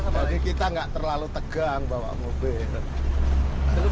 tapi kita nggak terlalu tegang bawa mobil